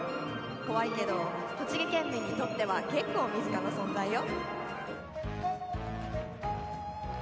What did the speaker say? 怖いけど、栃木県民にとっては結構、身近な存在よ。